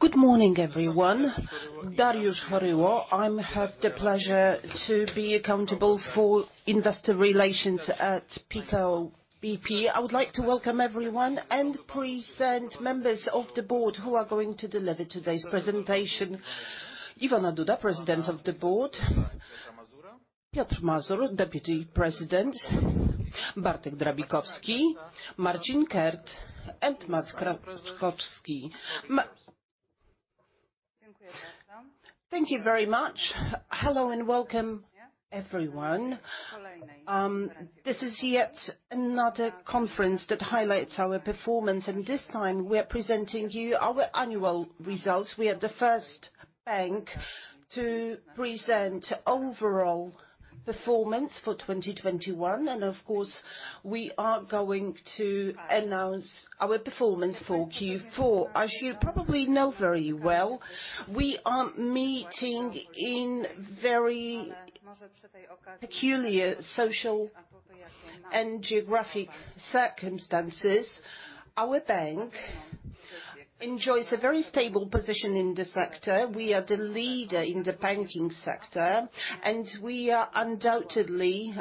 Good morning, everyone. Dariusz Choryło. I have the pleasure to be accountable for investor relations at PKO BP. I would like to welcome everyone and present members of the board who are going to deliver today's presentation. Iwona Duda, President of the Management Board. Piotr Mazur, Vice President of the Management Board. Bartosz Drabikowski, Marcin Eckert, and Maks Kraczkowski. Thank you very much. Hello, and welcome, everyone. This is yet another conference that highlights our performance, and this time we are presenting you our annual results. We are the first bank to present overall performance for 2021, and of course, we are going to announce our performance for Q4. As you probably know very well, we are meeting in very peculiar social and geographic circumstances. Our bank enjoys a very stable position in the sector. We are the leader in the banking sector, and we are undoubtedly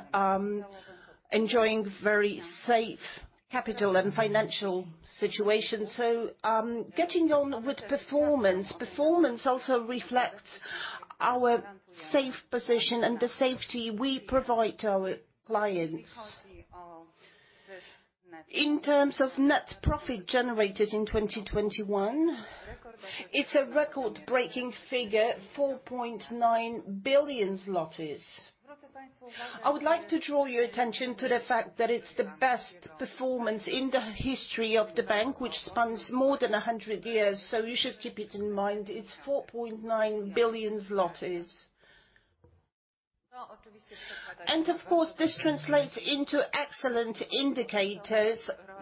enjoying very safe capital and financial situation. Getting on with performance. Performance also reflects our safe position and the safety we provide to our clients. In terms of net profit generated in 2021, it's a record-breaking figure, 4.9 billion zlotys. I would like to draw your attention to the fact that it's the best performance in the history of the bank, which spans more than 100 years. You should keep it in mind, it's 4.9 billion zlotys. Of course, this translates into excellent indicators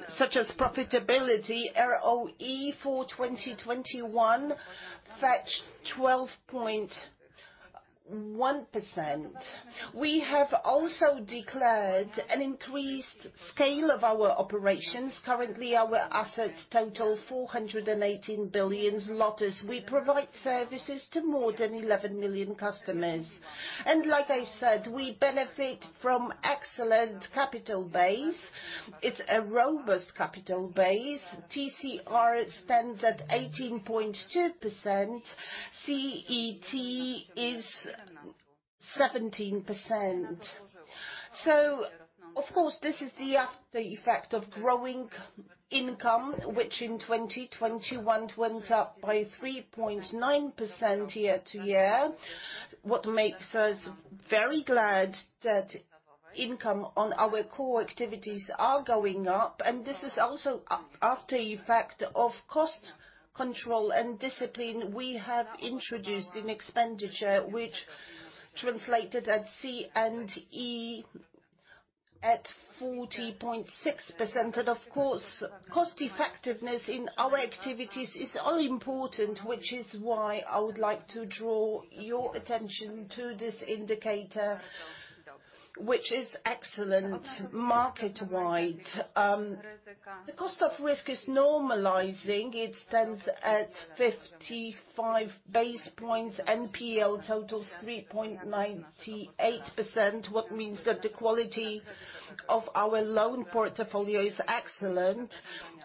such as profitability. ROE for 2021 reached 12.1%. We have also declared an increased scale of our operations. Currently, our assets total 418 billion. We provide services to more than 11 million customers. Like I said, we benefit from excellent capital base. It's a robust capital base. TCR stands at 18.2%. CET is 17%. Of course, this is the after effect of growing income, which in 2021 went up by 3.9% year-over-year. What makes us very glad that income on our core activities are going up, and this is also after effect of cost control and discipline we have introduced in expenditure, which translated at C/I at 40.6%. Of course, cost effectiveness in our activities is all important, which is why I would like to draw your attention to this indicator, which is excellent market-wide. The cost of risk is normalizing. It stands at 55 basis points NPL totals 3.98%, which means that the quality of our loan portfolio is excellent,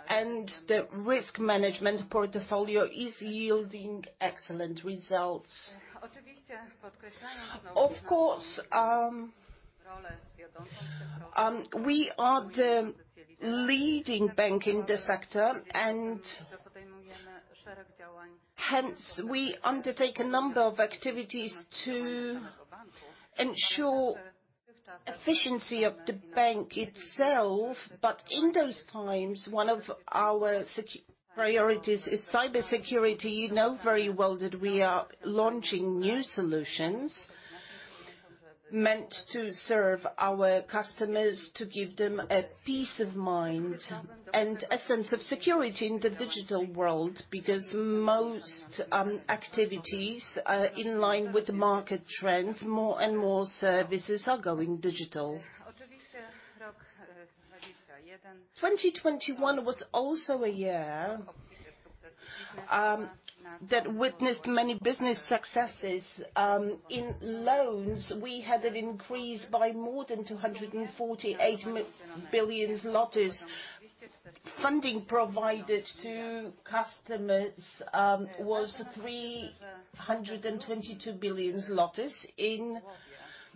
and the risk management portfolio is yielding excellent results. Of course, we are the leading bank in the sector and hence, we undertake a number of activities to ensure efficiency of the bank itself. In those times, one of our priorities is cybersecurity. You know very well that we are launching new solutions meant to serve our customers to give them a peace of mind and a sense of security in the digital world. Because most activities are in line with the market trends, more and more services are going digital. 2021 was also a year that witnessed many business successes. In loans, we had an increase by more than 248 billion. Funding provided to customers was 322 billion. In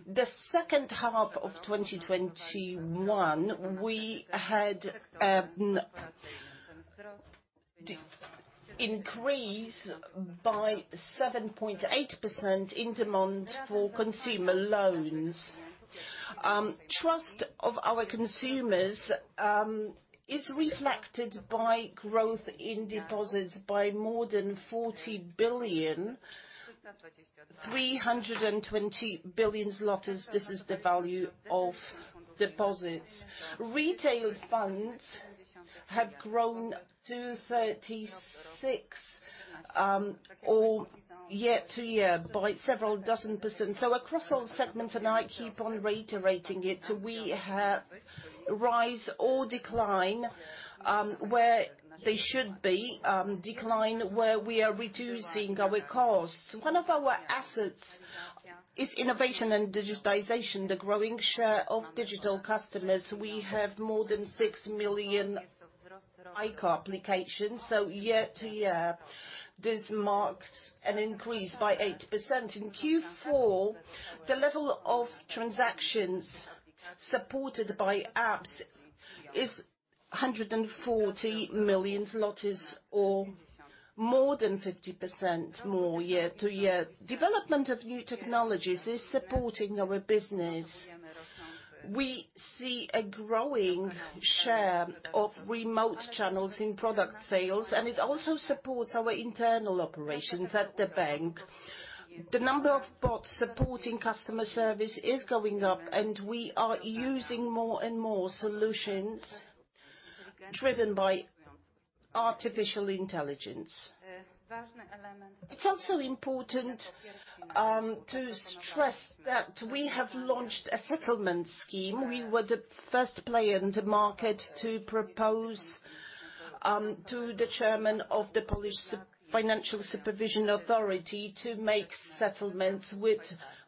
the second half of 2021, we had increase by 7.8% in demand for consumer loans. Trust of our consumers is reflected by growth in deposits by more than 40 billion. 322 billion zlotys, this is the value of deposits. Retail funds have grown to 36, or year-to-year by several dozen percent. Across all segments, and I keep on reiterating it, we have rise or decline where they should be, decline where we are reducing our costs. One of our assets is innovation and digitization. The growing share of digital customers. We have more than 6 million IKO applications. Year-to-year, this marks an increase by 8%. In Q4, the level of transactions supported by apps is 140 million zlotys or more than 50% more year-to-year. Development of new technologies is supporting our business. We see a growing share of remote channels in product sales, and it also supports our internal operations at the bank. The number of bots supporting customer service is going up, and we are using more and more solutions driven by artificial intelligence. It's also important to stress that we have launched a settlement scheme. We were the first player in the market to propose to the chairman of the Polish Financial Supervision Authority to make settlements with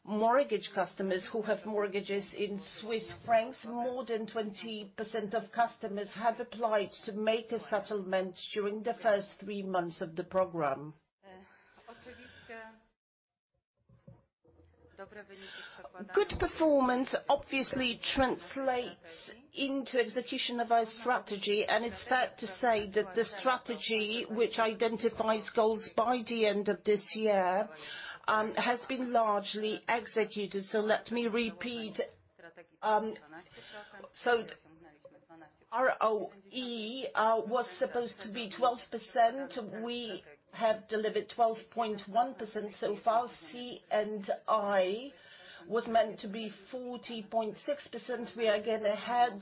mortgage customers who have mortgages in Swiss francs. More than 20% of customers have applied to make a settlement during the first 3 months of the program. Good performance obviously translates into execution of our strategy, and it's fair to say that the strategy which identifies goals by the end of this year has been largely executed. ROE was supposed to be 12%. We have delivered 12.1% so far. C/I was meant to be 40.6%. We are getting ahead.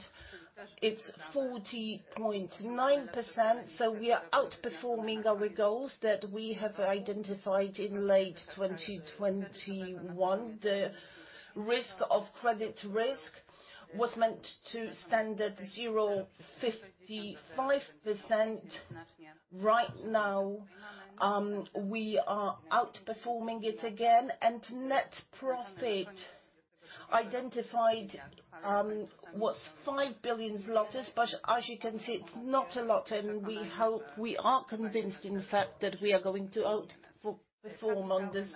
It's 40.9%. We are outperforming our goals that we have identified in late 2021. The cost of risk was meant to stand at 0.55%. Right now, we are outperforming it again. Net profit identified was 5 billion. But as you can see, it's not a lot, and we are convinced in the fact that we are going to outperform on this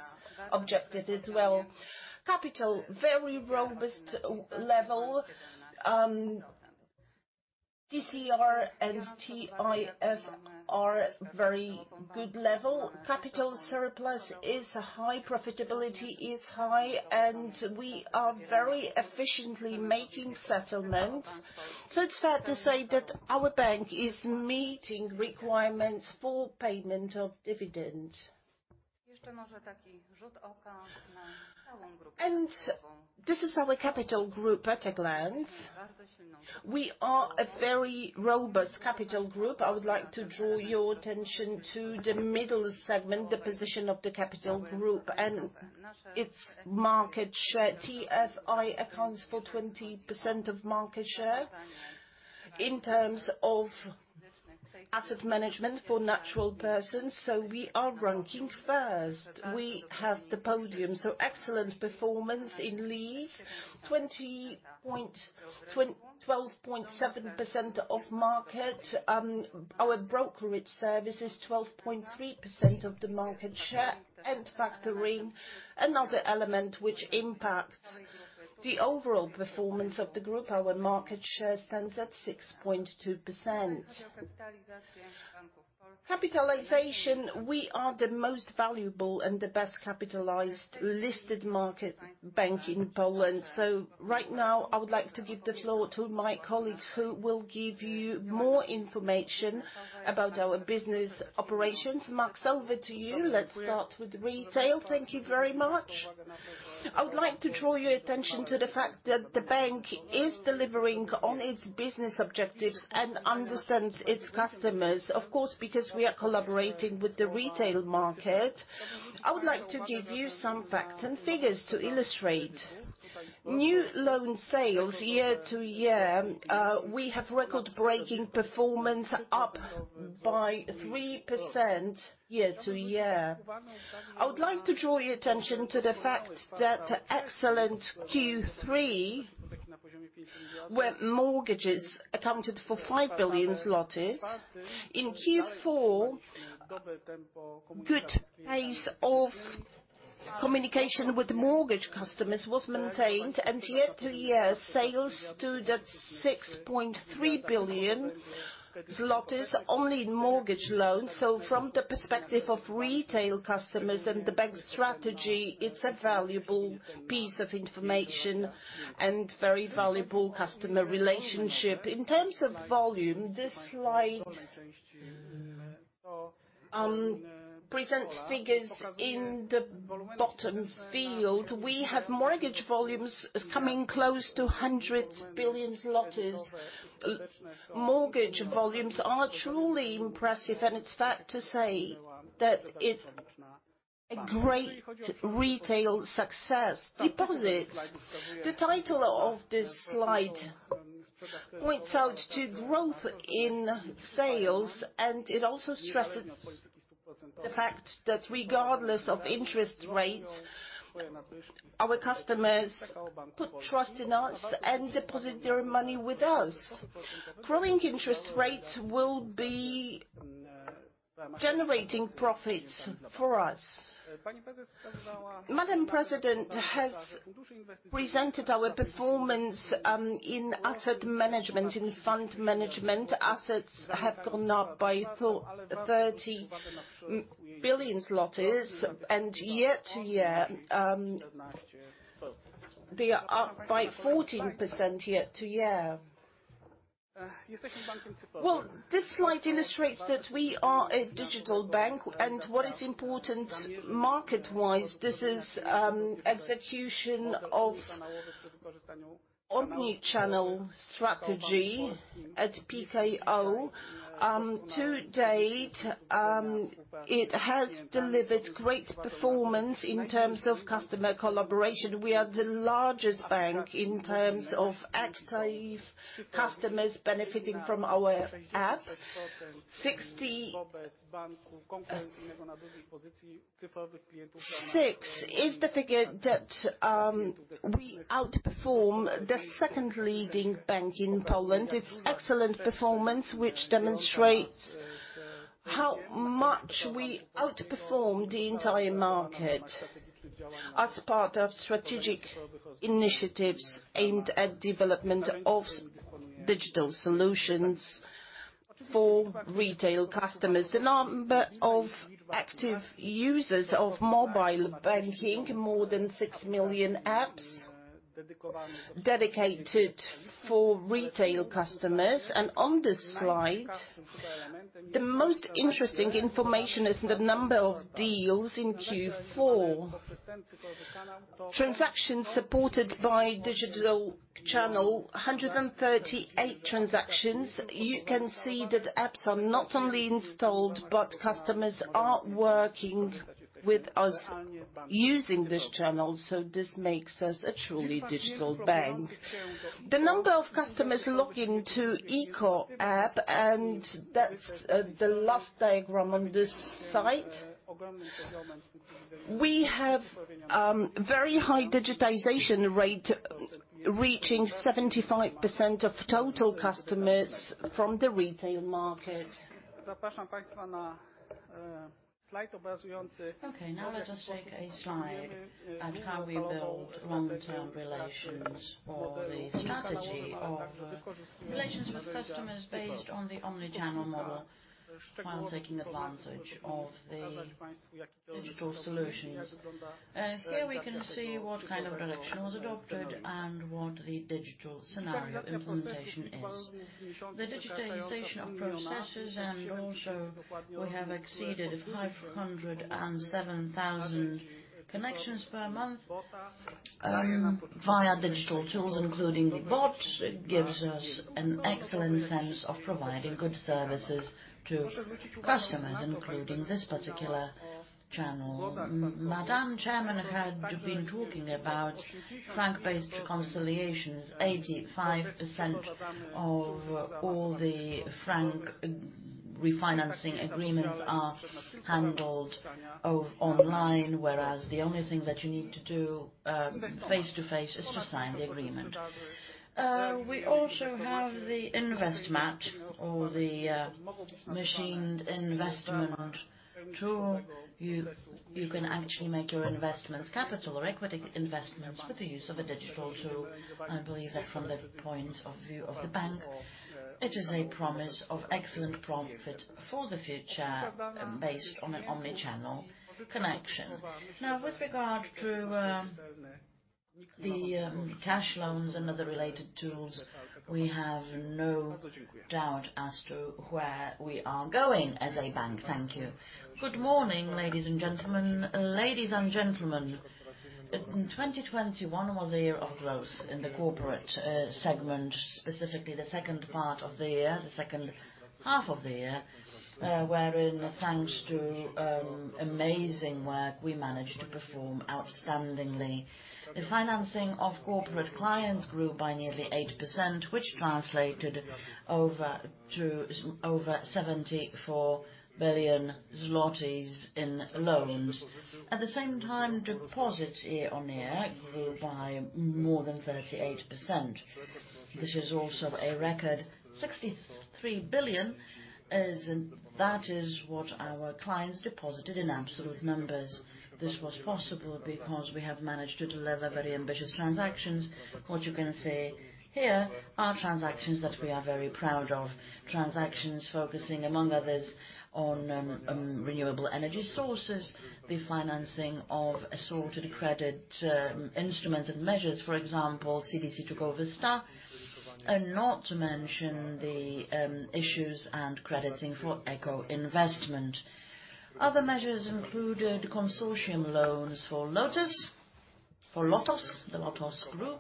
objective as well. Capital, very robust level. TCR and TFI are very good level. Capital surplus is high, profitability is high, and we are very efficiently making settlements. It's fair to say that our bank is meeting requirements for payment of dividend. This is our capital group at a glance. We are a very robust capital group. I would like to draw your attention to the middle segment, the position of the capital group and its market share. TFI accounts for 20% of market share in terms of asset management for natural persons. We are ranking first. We have the podium. Excellent performance in leasing, 12.7% of market. Our brokerage service is 12.3% of the market share. Factoring, another element which impacts the overall performance of the group. Our market share stands at 6.2%. Capitalization, we are the most valuable and the best capitalized listed market bank in Poland. Right now, I would like to give the floor to my colleagues, who will give you more information about our business operations. Maks Kraczkowski, over to you. Let's start with retail. Thank you very much. I would like to draw your attention to the fact that the bank is delivering on its business objectives and understands its customers. Of course, because we are collaborating with the retail market, I would like to give you some facts and figures to illustrate. New loan sales year-over-year, we have record-breaking performance up by 3% year-over-year. I would like to draw your attention to the fact that excellent Q3, where mortgages accounted for 5 billion zloty. In Q4, good pace of communication with mortgage customers was maintained. Year to year, sales stood at 6.3 billion zlotys only in mortgage loans. From the perspective of retail customers and the bank's strategy, it's a valuable piece of information and very valuable customer relationship. In terms of volume, this slide presents figures in the bottom field. We have mortgage volumes coming close to hundreds of billions PLN. Mortgage volumes are truly impressive, and it's fair to say that it's a great retail success. Deposits. The title of this slide points out to growth in sales, and it also stresses the fact that regardless of interest rates, our customers put trust in us and deposit their money with us. Growing interest rates will be generating profits for us. Madam President has presented our performance in asset management, in fund management. Assets have gone up by 30 billion PLN. Year-over-year, they are up by 14% year-over-year. Well, this slide illustrates that we are a digital bank and what is important market-wise, this is execution of omni-channel strategy at PKO. To date, it has delivered great performance in terms of customer collaboration. We are the largest bank in terms of active customers benefiting from our app. 66 is the figure that we outperform the second leading bank in Poland. It's excellent performance, which demonstrates how much we outperform the entire market as part of strategic initiatives aimed at development of digital solutions for retail customers. The number of active users of mobile banking, more than 6 million apps dedicated for retail customers. On this slide, the most interesting information is the number of deals in Q4. Transactions supported by digital channel, 138 transactions. You can see that apps are not only installed, but customers are working with us using this channel, so this makes us a truly digital bank. The number of customers looking to IKO app, and that's the last diagram on this slide. We have very high digitization rate reaching 75% of total customers from the retail market. Okay, now let us look at the slide on how we build long-term relations or the strategy of relations with customers based on the omni-channel model, while taking advantage of the digital solutions. Here we can see what kind of direction was adopted and what the digital scenario implementation is. The digitalization of processes, and also we have exceeded 507,000 connections per month via digital tools, including the bot. It gives us an excellent sense of providing good services to customers, including this particular channel. Madam Chairman had been talking about franc-based settlements. 85% of all the franc-based settlements are handled online, whereas the only thing that you need to do face-to-face is to sign the agreement. We also have the Inwestomat or the machine investment tool. You can actually make your invest.ents capital or equity investments with the use of a digital tool. I believe that from the point of view of the bank, it is a promise of excellent profit for the future based on an omni-channel connection. Now, with regard to the cash loans and other related tools, we have no doubt as to where we are going as a bank. Thank you. Good morning, ladies and gentlemen. Ladies and gentlemen, 2021 was a year of growth in the corporate segment, specifically the second part of the year, the second half of the year, wherein thanks to amazing work, we managed to perform outstandingly. The financing of corporate clients grew by nearly 8%, which translated over to over 74 billion zlotys in loans. At the same time, deposits year-on-year grew by more than 38%. This is also a record 63 billion. As in, that is what our clients deposited in absolute numbers. This was possible because we have managed to deliver very ambitious transactions. What you can see here are transactions that we are very proud of. Transactions focusing, among others, on renewable energy sources, the financing of assorted credit instruments and measures. For example, CCC, Żabka, and not to mention the issues and crediting for eco investment. Other measures included consortium loans for Lotos, the Lotos Group.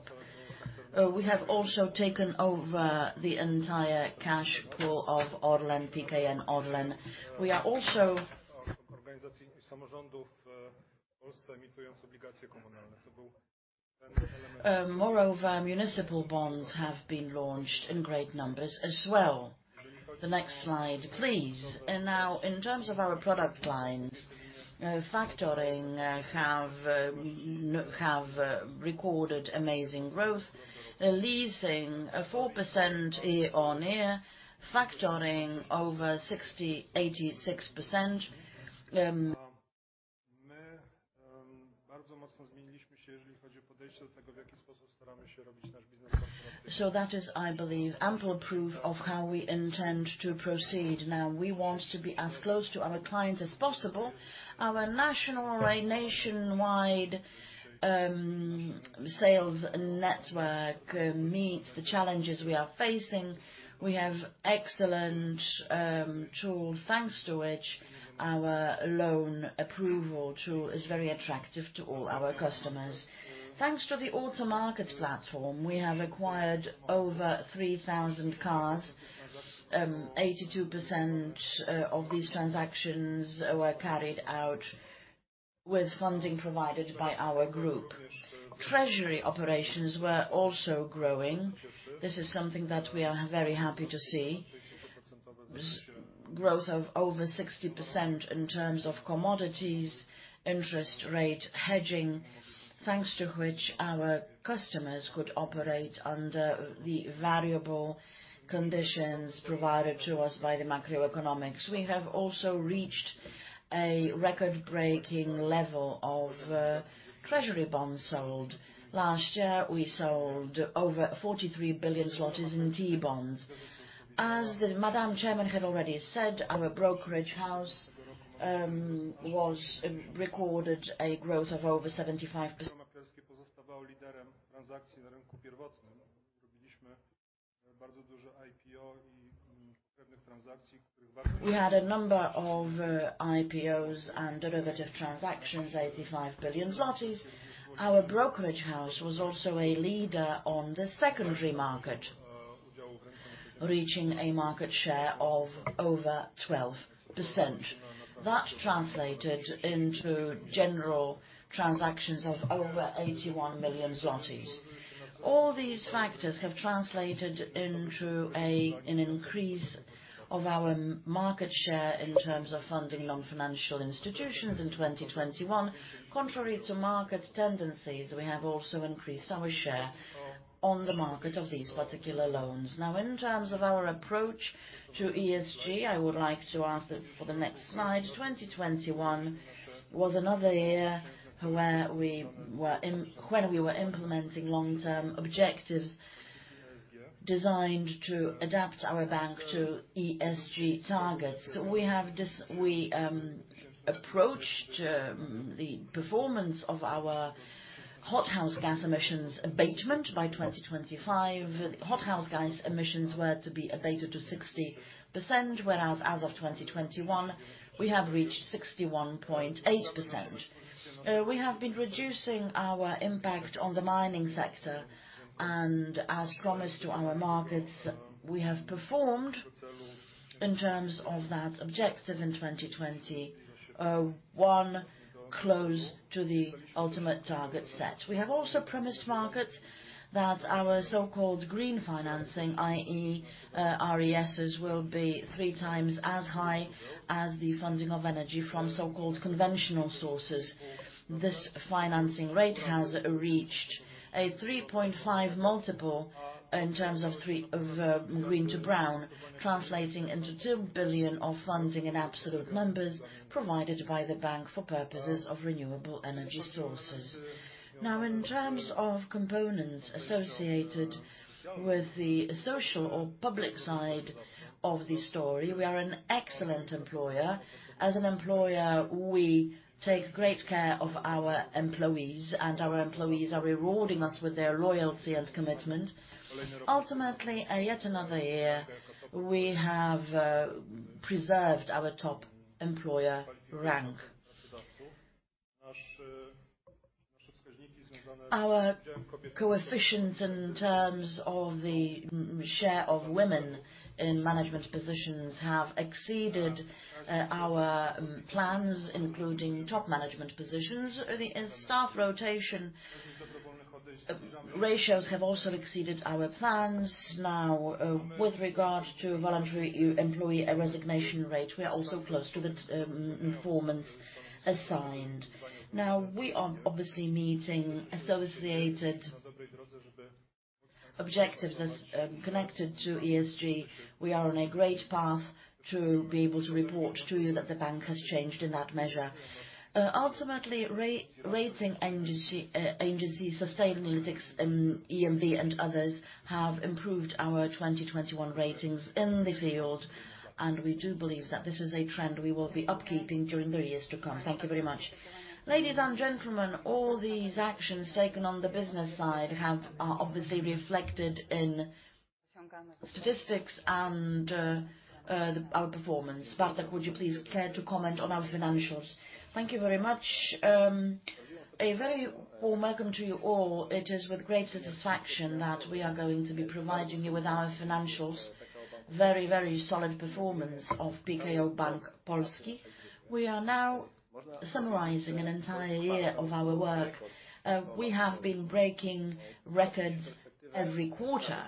We have also taken over the entire cash pool of Orlen, PKN Orlen. Moreover, municipal bonds have been launched in great numbers as well. The next slide, please. Now in terms of our product lines, factoring, we have recorded amazing growth. Leasing, 4% year-over-year. Factoring over 86%. That is, I believe, ample proof of how we intend to proceed. Now, we want to be as close to our clients as possible. Our national or nationwide sales network meets the challenges we are facing. We have excellent tools, thanks to which our loan approval tool is very attractive to all our customers. Thanks to the Automarket platform, we have acquired over 3,000 cars. 82% of these transactions were carried out with funding provided by our group. Treasury operations were also growing. This is something that we are very happy to see. Strong growth of over 60% in terms of commodities, interest rate hedging, thanks to which our customers could operate under the variable conditions provided to us by the macroeconomics. We have also reached a record-breaking level of treasury bonds sold. Last year, we sold over 43 billion zlotys in T-bonds. As the Madam Chairman had already said, our brokerage house recorded a growth of over 75%. We had a number of IPOs and derivative transactions, 85 billion zlotys. Our brokerage house was also a leader on the secondary market, reaching a market share of over 12%. That translated into general transactions of over 81 million zlotys. All these factors have translated into an increase of our market share in terms of funding non-financial institutions in 2021. Contrary to market tendencies, we have also increased our share on the market of these particular loans. Now, in terms of our approach to ESG, I would like to ask for the next slide. 2021 was another year where we were implementing long-term objectives designed to adapt our bank to ESG targets. We have approached the performance of our greenhouse gas emissions abatement by 2025. Greenhouse gas emissions were to be abated to 60%, whereas as of 2021, we have reached 61.8%. We have been reducing our impact on the mining sector, and as promised to our markets, we have performed in terms of that objective in 2021 close to the ultimate target set. We have also promised markets that our so-called green financing, i.e., RES, will be 3X as high as the funding of energy from so-called conventional sources. This financing rate has reached a 3.5 multiple in terms of three... of green to brown, translating into 2 billion of funding in absolute numbers provided by the bank for purposes of renewable energy sources. Now, in terms of components associated with the social or public side of the story, we are an excellent employer. As an employer, we take great care of our employees, and our employees are rewarding us with their loyalty and commitment. Ultimately, yet another year, we have preserved our Top Employer rank. Our coefficients in terms of the share of women in management positions have exceeded our plans, including top management positions. The staff rotation ratios have also exceeded our plans. Now, with regard to voluntary employee resignation rate, we are also close to the performance assigned. Now, we are obviously meeting associated objectives as connected to ESG. We are on a great path to be able to report to you that the bank has changed in that measure. Ultimately, rating agency Sustainalytics, MSCI and others have improved our 2021 ratings in the field, and we do believe that this is a trend we will be upkeeping during the years to come. Thank you very much. Ladies and gentlemen, all these actions taken on the business side are obviously reflected in statistics and our performance. Sparta, could you please care to comment on our financials? Thank you very much. A very warm welcome to you all. It is with great satisfaction that we are going to be providing you with our financials. Very, very solid performance of PKO Bank Polski. We are now summarizing an entire year of our work. We have been breaking records every quarter.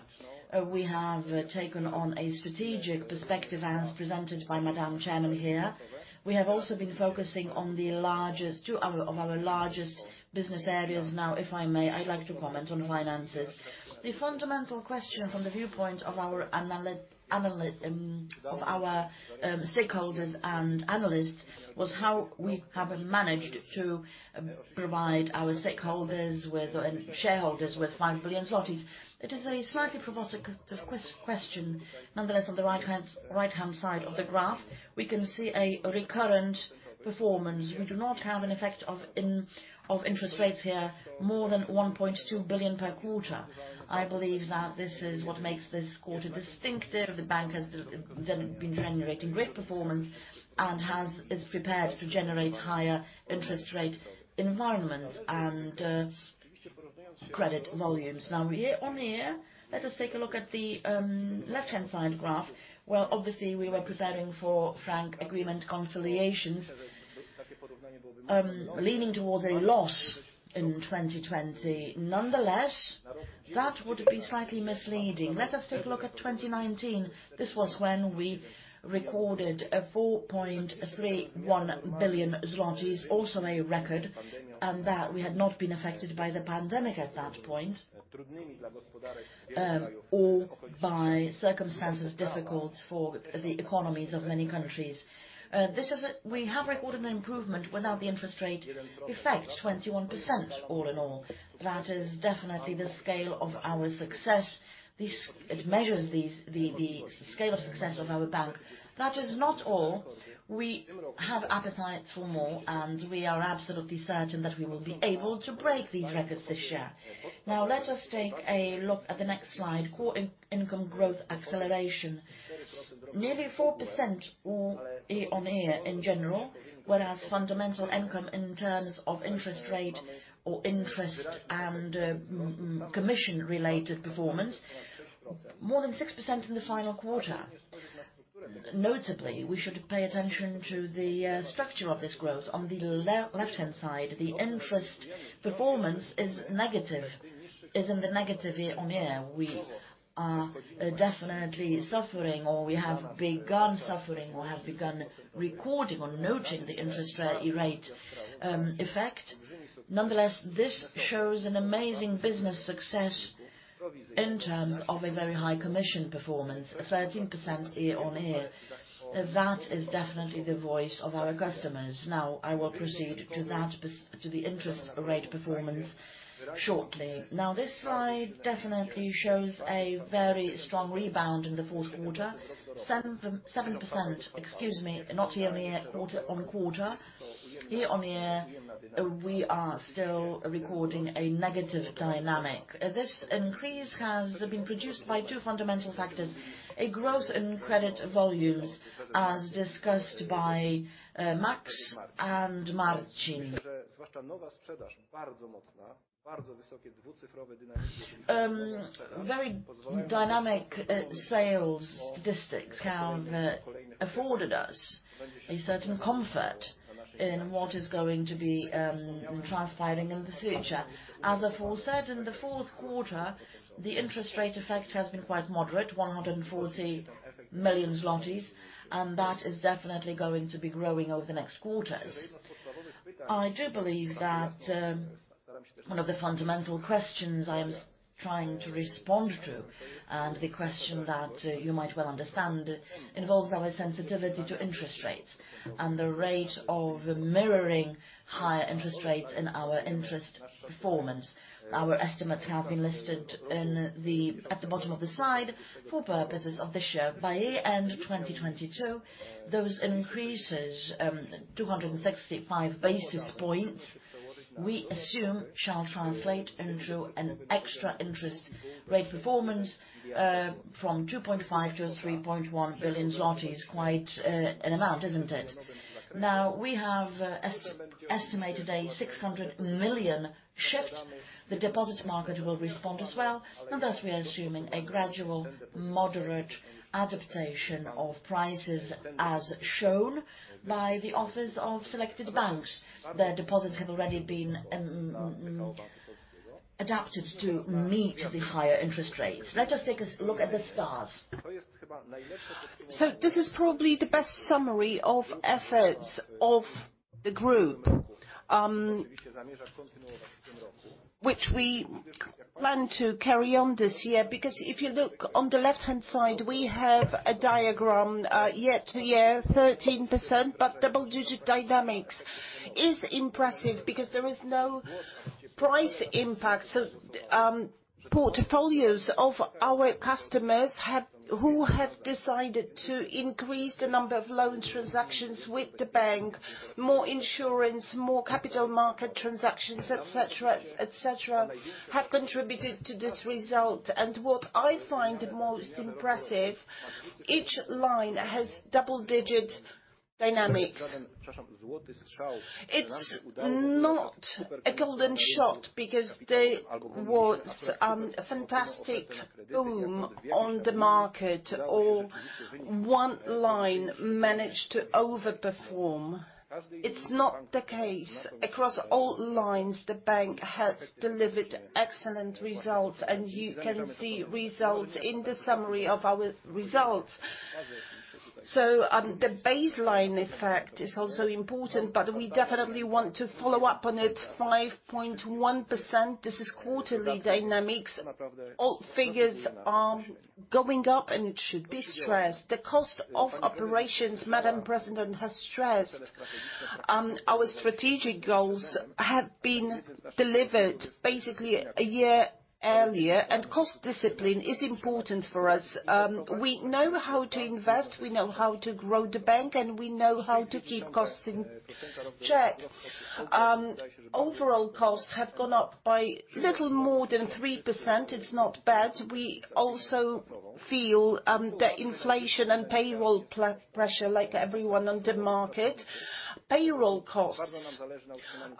We have taken on a strategic perspective as presented by Madam Chairman here. We have also been focusing on the largest two of our business areas now. If I may, I'd like to comment on finances. The fundamental question from the viewpoint of our analysts was how we have managed to provide our stakeholders with, and shareholders with 5 billion zlotys. It is a slightly provocative question. Nonetheless, on the right-hand side of the graph, we can see a recurrent performance. We do not have an effect of interest rates here, more than 1.2 billion per quarter. I believe that this is what makes this quarter distinctive. The bank has been generating great performance and is prepared to generate in higher interest rate environments and credit volumes. Now year on year, let us take a look at the left-hand side graph. Well, obviously, we were preparing for franc-based settlements, leaning towards a loss in 2020. Nonetheless, that would have been slightly misleading. Let us take a look at 2019. This was when we recorded 4.31 billion zlotys, also a record, and that we had not been affected by the pandemic at that point, or by circumstances difficult for the economies of many countries. We have recorded an improvement without the interest rate effect, 21% all in all. That is definitely the scale of our success. It measures the scale of success of our bank. That is not all. We have appetite for more, and we are absolutely certain that we will be able to break these records this year. Now, let us take a look at the next slide, core income growth acceleration. Nearly 4% year-on-year in general, whereas fundamental income in terms of interest and commission-related performance, more than 6% in the final quarter. Notably, we should pay attention to the structure of this growth. On the left-hand side, the interest performance is negative. It's in the negative year-on-year. We are definitely suffering, or we have begun suffering, or have begun recording or noting the interest rate effect. Nonetheless, this shows an amazing business success in terms of a very high commission performance, 13% year-on-year. That is definitely the voice of our customers. Now, I will proceed to that to the interest rate performance shortly. Now, this slide definitely shows a very strong rebound in the Q4. 7%. Excuse me, not year-on-year, quarter-on-quarter. Year-on-year, we are still recording a negative dynamic. This increase has been produced by two fundamental factors, a growth in credit volumes, as discussed by Maks and Marcin. Very dynamic sales statistics have afforded us a certain comfort in what is going to be transpiring in the future. As aforementioned, in the Q4, the interest rate effect has been quite moderate, 140 million zlotys, and that is definitely going to be growing over the next quarters. I do believe that one of the fundamental questions I was trying to respond to, and the question that you might well understand, involves our sensitivity to interest rates and the rate of mirroring higher interest rates in our interest performance. Our estimates have been listed in the.. At the bottom of the slide for purposes of this year. By end 2022, those increases, 265 basis points, we assume shall translate into an extra interest rate performance, from 2.5 billion to 3.1 billion zloty. Quite an amount, isn't it? Now, we have estimated a 600 million shift. The deposit market will respond as well, and thus we are assuming a gradual moderate adaptation of prices as shown by the offers of selected banks. Their deposits have already been adapted to meet the higher interest rates. Let us take a look at the stats. This is probably the best summary of efforts of the group, which we plan to carry on this year. Because if you look on the left-hand side, we have a diagram, year-over-year, 13%. Double-digit dynamics is impressive because there is no price impact. Portfolios of our customers who have decided to increase the number of loan transactions with the bank, more insurance, more capital market transactions, et cetera, et cetera, have contributed to this result. What I find most impressive, each line has double-digit Dynamics. It's not a golden shot because there was a fantastic boom on the market, or one line managed to overperform. It's not the case. Across all lines, the bank has delivered excellent results, and you can see results in the summary of our results. The baseline effect is also important, but we definitely want to follow up on it. 5.1%, this is quarterly dynamics. All figures are going up, and it should be stressed. The cost of operations, Madam President has stressed, our strategic goals have been delivered basically a year earlier, and cost discipline is important for us. We know how to invest, we know how to grow the bank, and we know how to keep costs in check. Overall costs have gone up by little more than 3%. It's not bad. We also feel the inflation and payroll pressure like everyone on the market. Payroll costs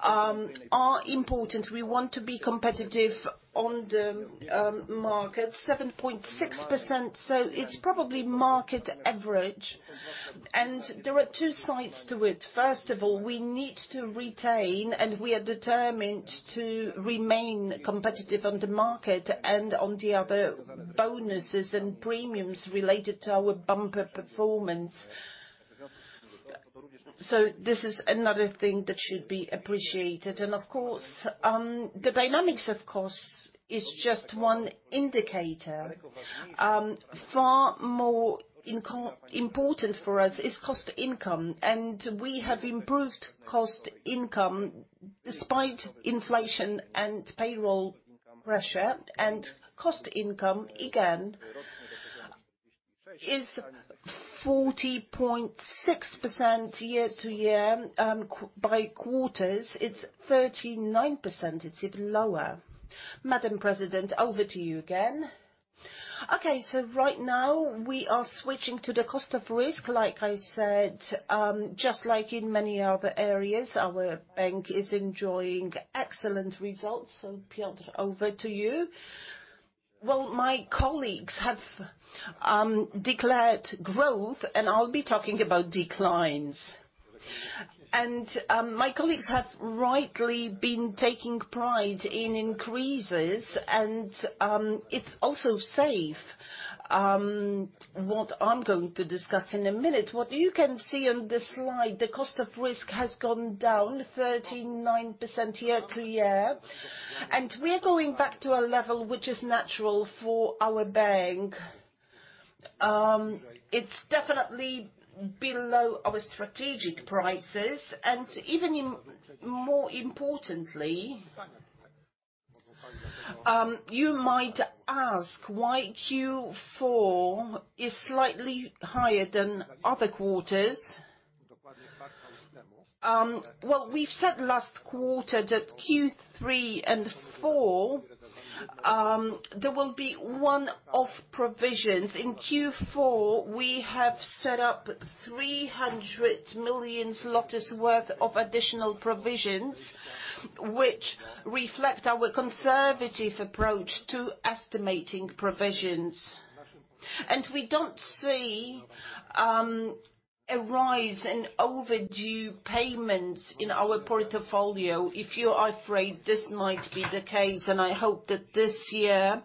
are important. We want to be competitive on the market. 7.6%, so it's probably market average. There are two sides to it. First of all, we need to retain, and we are determined to remain competitive on the market, and on the other, bonuses and premiums related to our bumper performance. This is another thing that should be appreciated. Of course, the dynamics of costs is just one indicator. Far more important for us is cost income, and we have improved cost income despite inflation and payroll pressure. Cost income, again, is 40.6% year-to-year. Quarter-by-quarter, it's 39%. It's even lower. Madam President, over to you again. Okay. Right now we are switching to the cost of risk. Like I said, just like in many other areas, our bank is enjoying excellent results. Piotr, over to you. Well, my colleagues have declared growth, and I'll be talking about declines. My colleagues have rightly been taking pride in increases and it's also safe what I'm going to discuss in a minute. What you can see on the slide, the cost of risk has gone down 39% year-to-year. We're going back to a level which is natural for our bank. It's definitely below our strategic prices. Even more importantly, you might ask why Q4 is slightly higher than other quarters. Well, we've said last quarter that Q3 and Q4 there will be one-off provisions. In Q4, we have set up 300 million zlotys worth of additional provisions, which reflect our conservative approach to estimating provisions. We don't see a rise in overdue payments in our portfolio. If you are afraid this might be the case, and I hope that this year,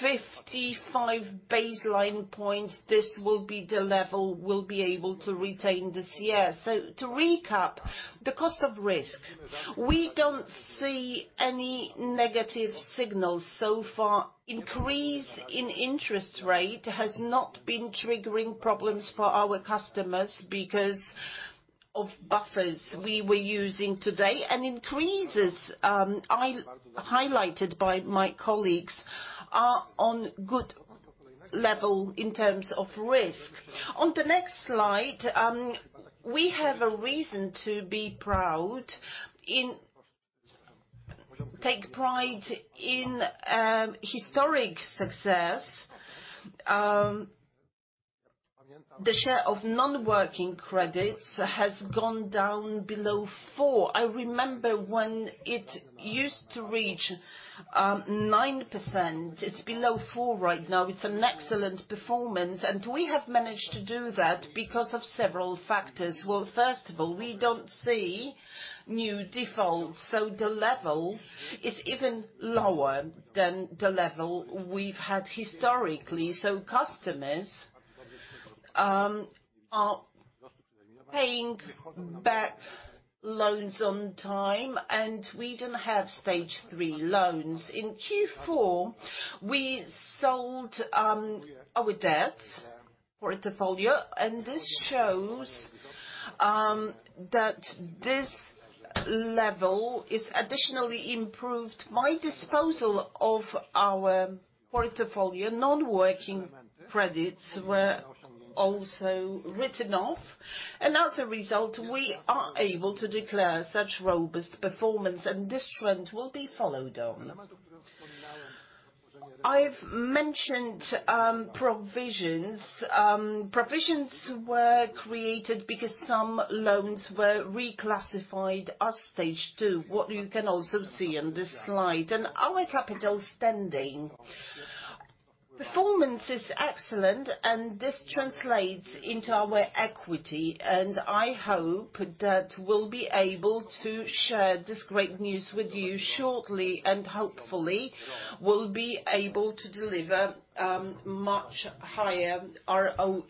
55 basis points, this will be the level we'll be able to retain this year. To recap, the cost of risk. We don't see any negative signals so far. Increase in interest rate has not been triggering problems for our customers because of buffers we were using today. Increases highlighted by my colleagues are on good level in terms of risk. On the next slide, we have a reason to take pride in historic success. The share of non-working credits has gone down below 4. I remember when it used to reach 9%. It's below 4% right now. It's an excellent performance. We have managed to do that because of several factors. First of all, we don't see new defaults, so the level is even lower than the level we've had historically. Customers are paying back loans on time, and we don't have Stage three loans. In Q4, we sold our debt portfolio, and this shows that this level is additionally improved. The disposal of our portfolio, non-performing credits were also written off. As a result, we are able to declare such robust performance, and this trend will be followed on. I've mentioned provisions. Provisions were created because some loans were reclassified as Stage two, what you can also see on this slide. Our capital standing. Performance is excellent, and this translates into our equity. I hope that we'll be able to share this great news with you shortly, and hopefully we'll be able to deliver much higher ROE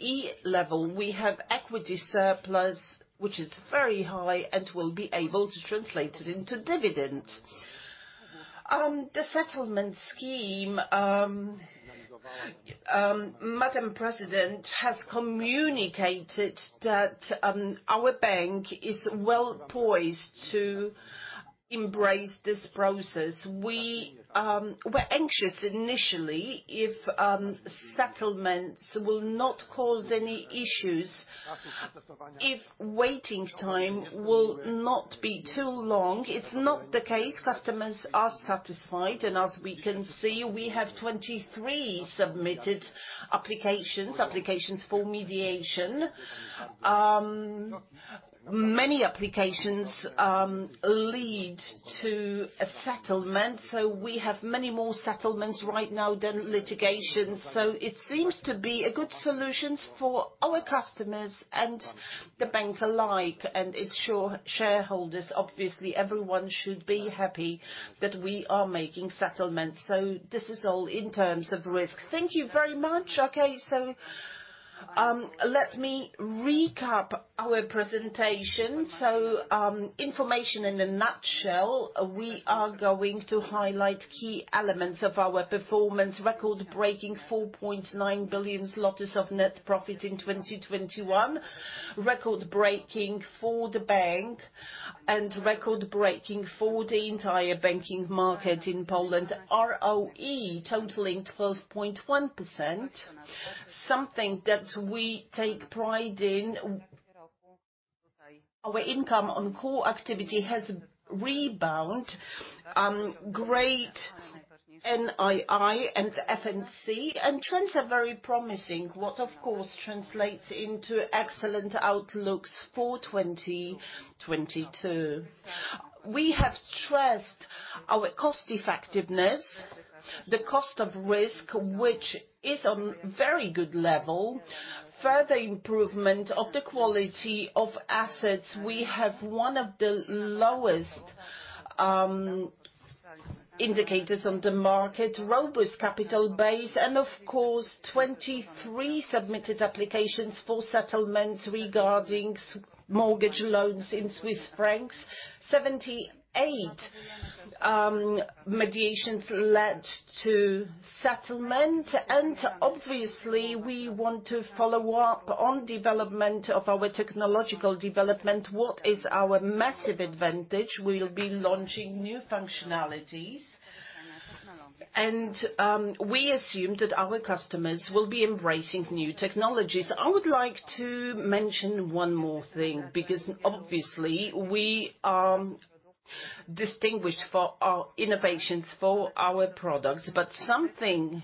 level. We have equity surplus, which is very high, and we'll be able to translate it into dividend. The settlement scheme. Madam President has communicated that our bank is well poised to embrace this process. We were anxious initially if settlements will not cause any issues, if waiting time will not be too long. It's not the case, customers are satisfied. As we can see, we have 23 submitted applications for mediation. Many applications lead to a settlement, so we have many more settlements right now than litigation. It seems to be a good solution for our customers and the bank alike, and its shareholders. Obviously, everyone should be happy that we are making settlements. This is all in terms of risk. Thank you very much. Okay. Let me recap our presentation. Information in a nutshell, we are going to highlight key elements of our performance. Record-breaking 4.9 billion zlotys of net profit in 2021. Record-breaking for the bank, and record-breaking for the entire banking market in Poland. ROE totaling 12.1%, something that we take pride in. Our income on core activity has rebounded. Great NII and F&C, and trends are very promising, which, of course, translates into excellent outlooks for 2022. We have stressed our cost effectiveness, the cost of risk, which is at a very good level. Further improvement of the quality of assets. We have one of the lowest indicators on the market, robust capital base, and of course, 23 submitted applications for settlements regarding mortgage loans in Swiss francs. 78 mediations led to settlement. Obviously we want to follow up on development of our technological development. What is our massive advantage? We'll be launching new functionalities. We assume that our customers will be embracing new technologies. I would like to mention one more thing, because obviously we are distinguished for our innovations, for our products, but something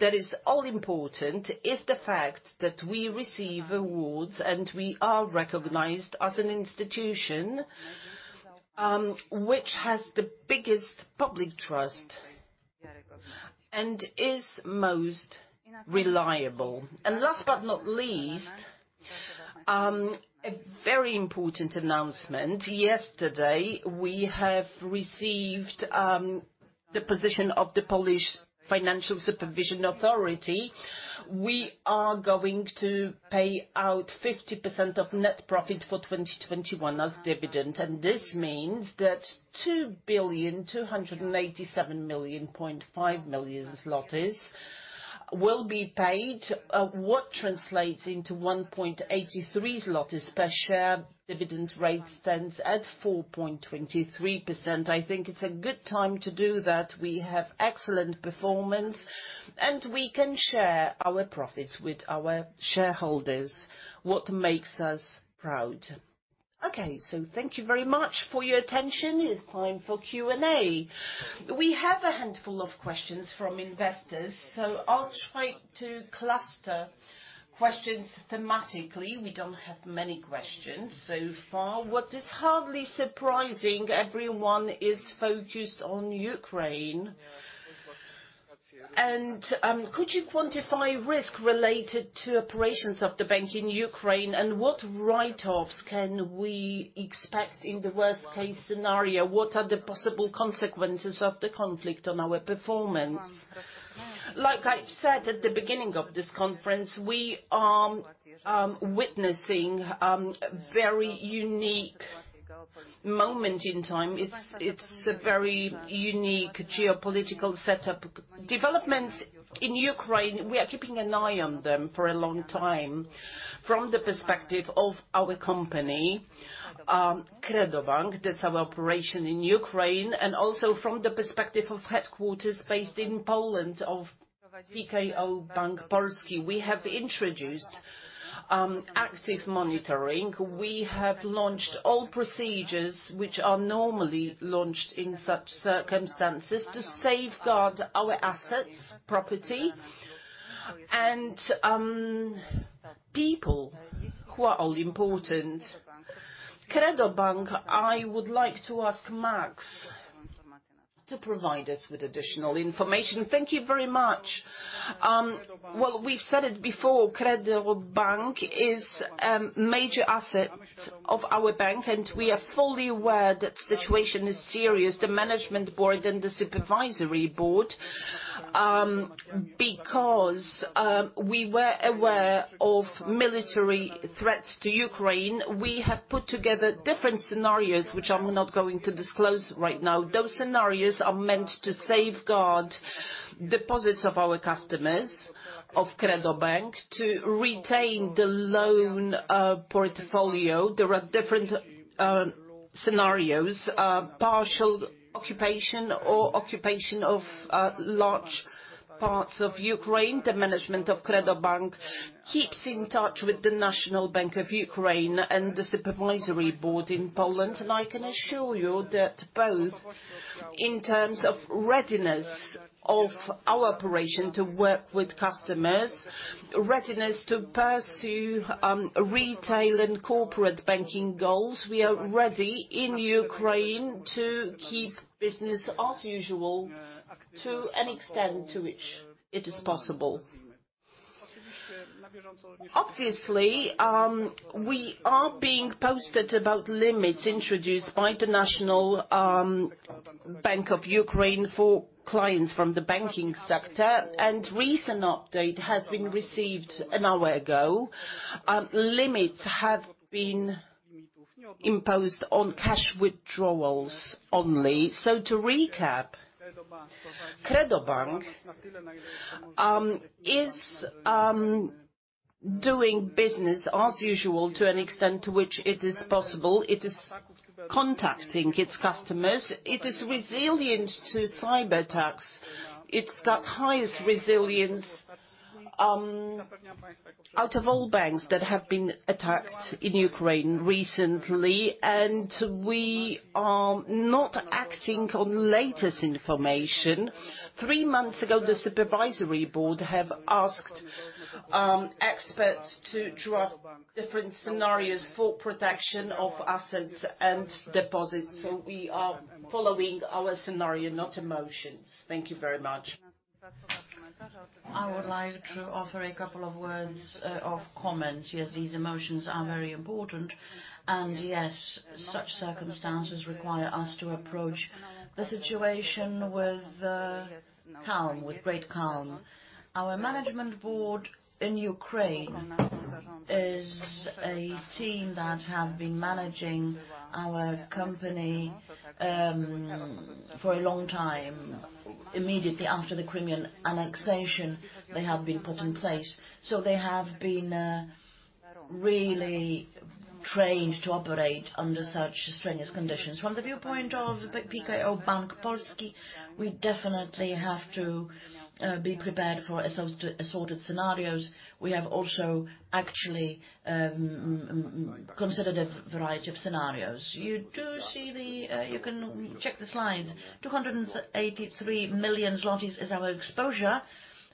that is all important is the fact that we receive awards, and we are recognized as an institution, which has the biggest public trust and is most reliable. Last but not least, a very important announcement. Yesterday, we have received the position of the Polish Financial Supervision Authority. We are going to pay out 50% of net profit for 2021 as dividend. This means that 2,287.5 million will be paid, what translates into 1.83 zlotys per share. Dividend rate stands at 4.23%. I think it's a good time to do that. We have excellent performance, and we can share our profits with our shareholders, what makes us proud. Okay. Thank you very much for your attention. It's time for Q&A. We have a handful of questions from investors, so I'll try to cluster questions thematically. We don't have many questions so far. What is hardly surprising, everyone is focused on Ukraine. Could you quantify risk related to operations of the bank in Ukraine? What write-offs can we expect in the worst case scenario? What are the possible consequences of the conflict on our performance? Like I've said at the beginning of this conference, we are witnessing very unique moment in time. It's a very unique geopolitical setup. Developments in Ukraine, we are keeping an eye on them for a long time. From the perspective of our company, KredoBank, that's our operation in Ukraine, and also from the perspective of headquarters based in Poland of PKO Bank Polski, we have introduced active monitoring. We have launched all procedures which are normally launched in such circumstances to safeguard our assets, property and people who are all important. KredoBank, I would like to ask Max to provide us with additional information. Thank you very much. Well, we've said it before, KredoBank is major asset of our bank, and we are fully aware that situation is serious, the Management Board and the Supervisory Board. Because we were aware of military threats to Ukraine, we have put together different scenarios, which I'm not going to disclose right now. Those scenarios are meant to safeguard deposits of our customers of KredoBank to retain the loan portfolio. There are different scenarios, partial occupation or occupation of large parts of Ukraine. The management of KredoBank keeps in touch with the National Bank of Ukraine and the Supervisory Board in Poland, and I can assure you that both, in terms of readiness of our operation to work with customers, readiness to pursue retail and corporate banking goals. We are ready in Ukraine to keep business as usual to an extent to which it is possible. Obviously, we are kept posted about limits introduced by the National Bank of Ukraine for clients from the banking sector, and recent update has been received an hour ago. Limits have been imposed on cash withdrawals only. To recap, KredoBank is doing business as usual to an extent to which it is possible. It is contacting its customers. It is resilient to cyberattacks. It's got highest resilience out of all banks that have been attacked in Ukraine recently, and we are not acting on latest information. Three months ago, the Supervisory Board have asked experts to draft different scenarios for protection of assets and deposits, so we are following our scenario, not emotions. Thank you very much. I would like to offer a couple of words of comments. Yes, these emotions are very important, and yes, such circumstances require us to approach the situation with calm, with great calm. Our management board in Ukraine is a team that have been managing our company for a long time. Immediately after the Crimean annexation, they have been put in place, so they have been really trained to operate under such strenuous conditions. From the viewpoint of PKO Bank Polski, we definitely have to be prepared for assorted scenarios. We have also actually considered a variety of scenarios. You can check the slides. 283 million zlotys is our exposure.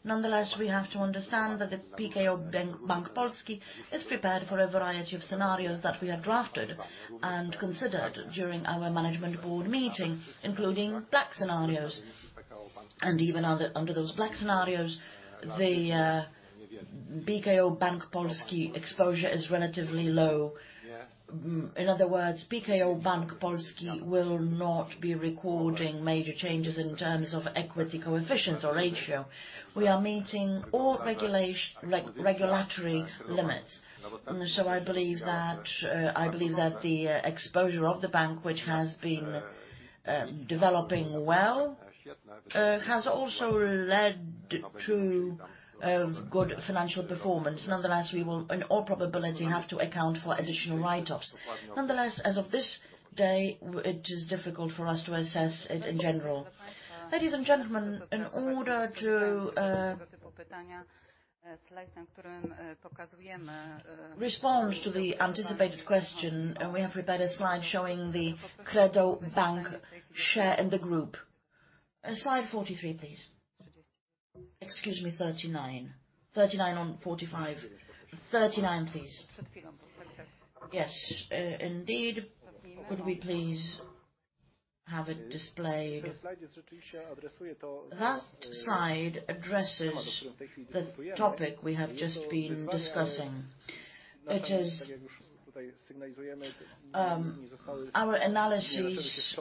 Nonetheless, we have to understand that the PKO Bank Polski is prepared for a variety of scenarios that we have drafted and considered during our management board meeting, including black scenarios. Even under those black scenarios, the PKO Bank Polski exposure is relatively low. In other words, PKO Bank Polski will not be recording major changes in terms of equity coefficients or ratio. We are meeting all regulatory limits. I believe that the exposure of the bank, which has been developing well, has also led to good financial performance. Nonetheless, we will, in all probability, have to account for additional write-offs. Nonetheless, as of this day, it is difficult for us to assess it in general. Ladies and gentlemen, in order to respond to the anticipated question, we have prepared a slide showing the KredoBank share in the group. Slide 43, please. Excuse me, 39. 39 on 45. 39, please. Yes, indeed. Could we please have it displayed? That slide addresses the topic we have just been discussing. It is our analysis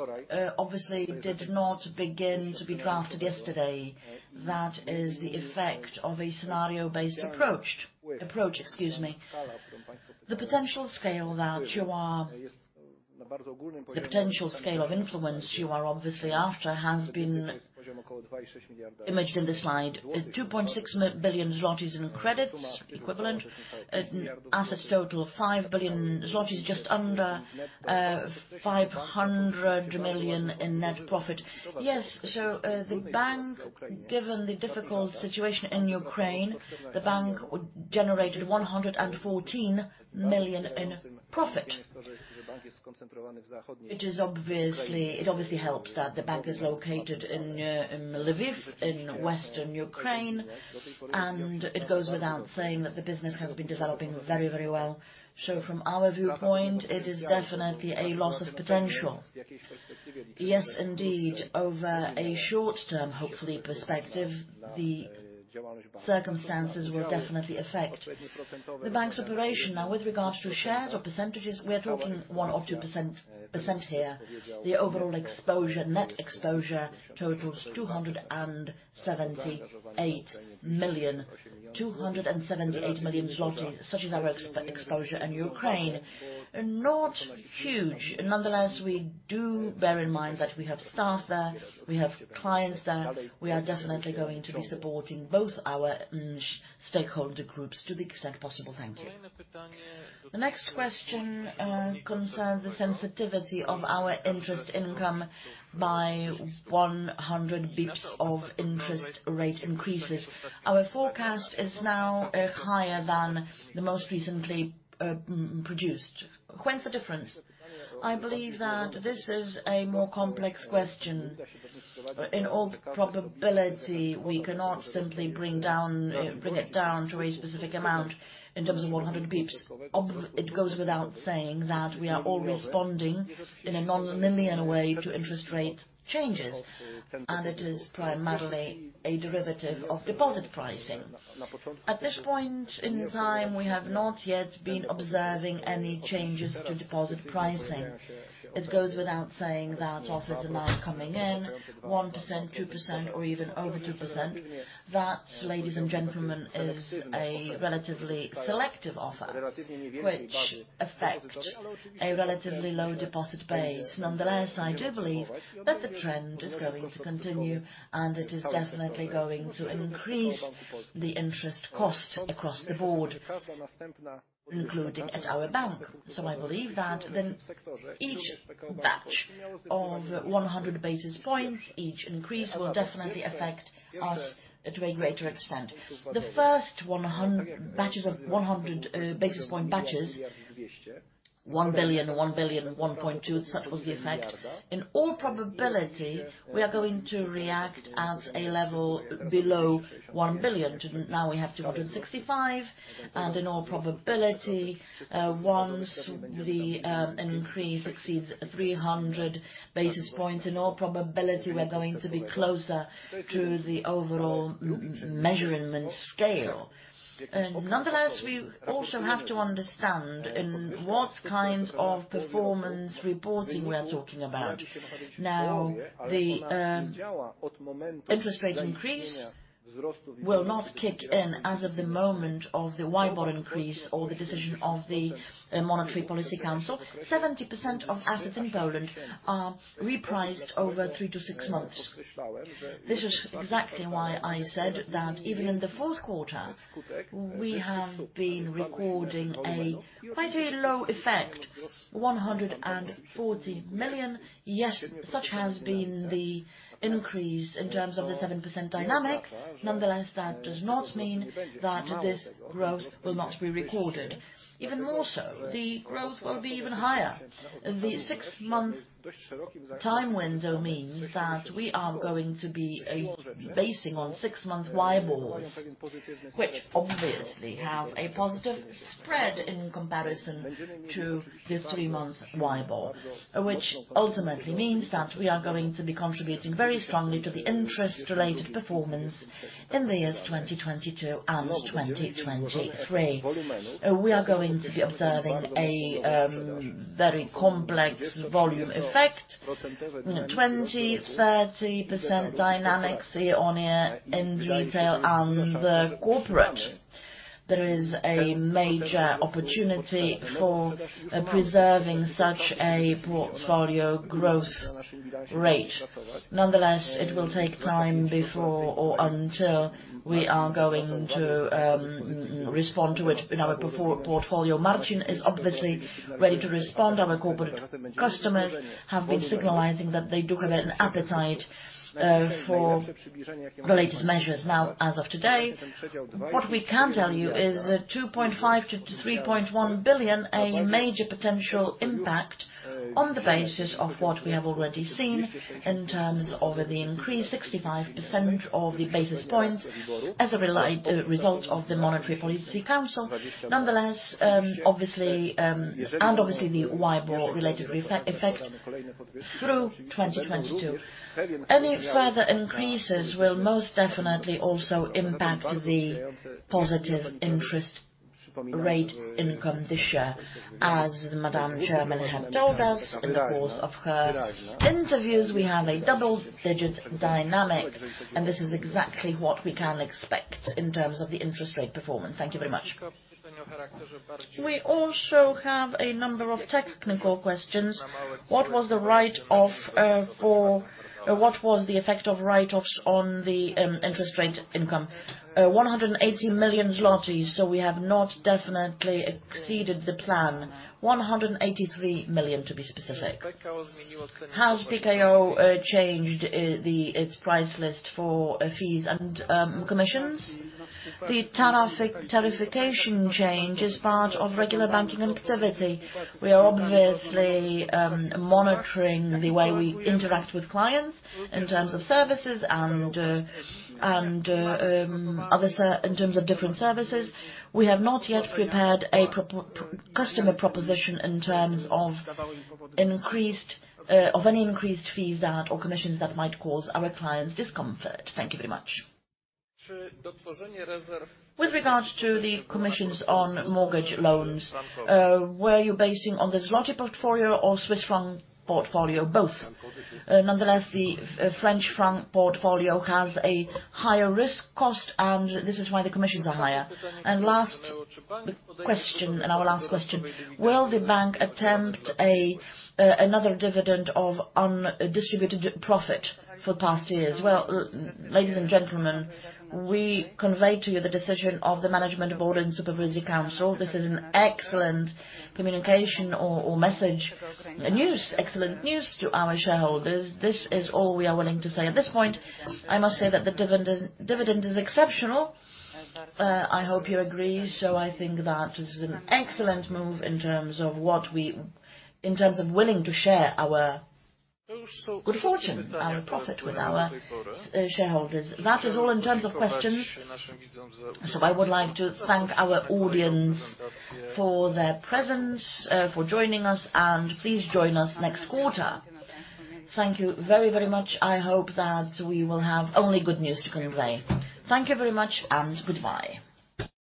obviously did not begin to be drafted yesterday. That is the effect of a scenario-based approach. The potential scale of influence you are obviously after has been imagined in the slide. 2.6 billion zlotys in credit equivalent. Assets total 5 billion zlotys, just under 500 million in net profit. The bank, given the difficult situation in Ukraine, generated 114 million in profit, which is obviously... It obviously helps that the bank is located in Lviv, in western Ukraine, and it goes without saying that the business has been developing very, very well. From our viewpoint, it is definitely a loss of potential. Yes, indeed, over a short-term, hopefully, perspective, the circumstances will definitely affect the bank's operation. Now, with regards to shares or percentages, we are talking 1%-2% here. The overall exposure, net exposure totals 278 million. 278 million zloty, such is our exposure in Ukraine. Not huge. Nonetheless, we do bear in mind that we have staff there, we have clients there. We are definitely going to be supporting both our niche stakeholder groups to the extent possible. Thank you. The next question concerns the sensitivity of our interest income by 100 basis points of interest rate increases. Our forecast is now higher than the most recently produced. What is the difference? I believe that this is a more complex question. In all probability, we cannot simply bring it down to a specific amount in terms of 100 basis points. It goes without saying that we are all responding in a non-linear way to interest rate changes, and it is primarily a derivative of deposit pricing. At this point in time, we have not yet been observing any changes to deposit pricing. It goes without saying that offers are now coming in 1%, 2%, or even over 2%. That, ladies and gentlemen, is a relatively selective offer which affect a relatively low deposit base. Nonetheless, I do believe that the trend is going to continue, and it is definitely going to increase the interest cost across the board, including at our bank. I believe that then each batch of 100 basis points, each increase, will definitely affect us to a greater extent. The first batches of 100 basis point batches, 1 billion, 1.2, such was the effect. In all probability, we are going to react at a level below 1 billion. Now we have 265, and in all probability, once the increase exceeds 300 basis points, in all probability we're going to be closer to the overall measurement scale. Nonetheless, we also have to understand, in what kind of performance reporting we are talking about? Now, the interest rate increase will not kick in as of the moment of the WIBOR increase or the decision of the Monetary Policy Council. 70% of assets in Poland are repriced over three to six months. This is exactly why I said that even in the Q4, we have been recording quite a low effect, 140 million. Yes, such has been the increase in terms of the 7% dynamic. Nonetheless, that does not mean that this growth will not be recorded. Even more so, the growth will be even higher. The six-month time window means that we are going to be based on 6-month WIBORs, which obviously have a positive spread in comparison to this 3-month WIBOR. Which ultimately means that we are going to be contributing very strongly to the interest-related performance in the years 2022 and 2023. We are going to be observing a very complex volume effect, you know, 20%-30% dynamics year-on-year in retail and the corporate. There is a major opportunity for preserving such a portfolio growth rate. Nonetheless, it will take time before or until we are going to respond to it in our portfolio. Marcin is obviously ready to respond. Our corporate customers have been signalizing that they do have an appetite for the latest measures. Now, as of today, what we can tell you is that 2.5 billion-3.1 billion, a major potential impact on the basis of what we have already seen in terms of the increased 65 basis points as a result of the Monetary Policy Council. Nonetheless, the WIBOR-related effect through 2022. Any further increases will most definitely also impact the positive interest rate income this year. As Madam Chairman had told us in the course of her interviews, we have a double-digit dynamic, and this is exactly what we can expect in terms of the interest rate performance. Thank you very much. We also have a number of technical questions. What was the effect of write-offs on the interest rate income? 180 million zlotys. We have not definitely exceeded the plan. 183 million, to be specific. Has PKO changed its price list for fees and commissions? The tariffication change is part of regular banking activity. We are obviously monitoring the way we interact with clients in terms of services and in terms of different services. We have not yet prepared a customer proposition in terms of any increased fees or commissions that might cause our clients discomfort. Thank you very much. With regard to the commissions on mortgage loans, were you basing on the zloty portfolio or Swiss franc portfolio? Both. Nonetheless, the Swiss franc portfolio has a higher risk cost, and this is why the commissions are higher. Our last question: Will the bank attempt another dividend of undistributed profit for past years? Well, ladies and gentlemen, we convey to you the decision of the Management Board and Supervisory Board. This is an excellent communication or message, news, excellent news to our shareholders. This is all we are willing to say at this point. I must say that the dividend is exceptional. I hope you agree. I think that this is an excellent move in terms of willing to share our good fortune, our profit with our shareholders. That is all in terms of questions. I would like to thank our audience for their presence, for joining us, and please join us next quarter. Thank you very much. I hope that we will have only good news to convey. Thank you very much, and goodbye.